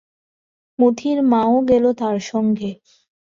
মোতির মাও গেল তার সঙ্গে।